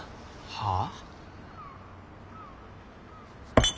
はあ？